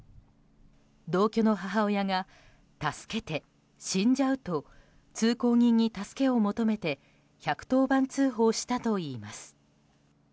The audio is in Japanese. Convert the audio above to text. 同居の母親が助けて、死んじゃうと通行人に助けを求めて１１０番通報したといいます。